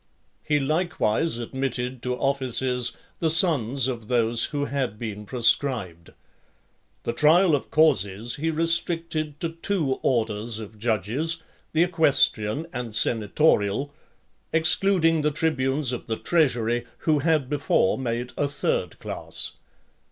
He likewise admitted to offices the sons of those who had been proscribed. The trial of causes he restricted to two orders of judges, the equestrian and senatorial; excluding the tribunes of the treasury who had before made a third class.